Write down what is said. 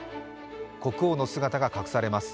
国王の姿が隠されます。